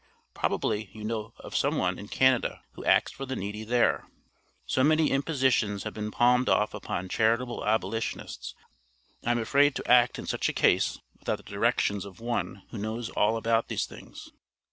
Probably you know of some one in Canada who acts for the needy there. So many impositions have been palmed off upon charitable abolitionists, I am afraid to act in such a case without the directions of one who knows all about these things.